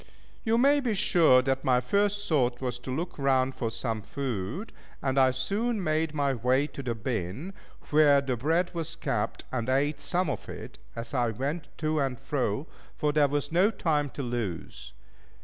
You may be sure that my first thought was to look round for some food, and I soon made my way to the bin, where the bread was kept, and ate some of it as I went to and fro, for there was no time to lose.